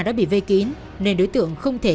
đã bị vây kín nên đối tượng không thể